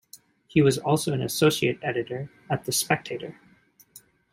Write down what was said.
He was also an associate editor at "The Spectator".